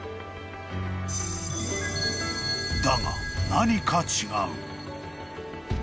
［だが何か違う］